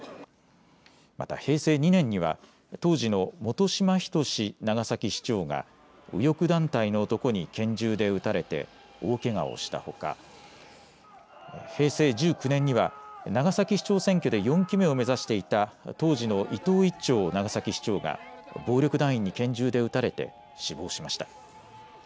また平成２年には当時の本島等長崎市長が右翼団体の男に拳銃で撃たれて大けがをしたほか、平成１９年には長崎市長選挙で４期目を目指していた当時の伊藤一長長崎市長が暴力団員に拳銃で撃たれて死亡しました。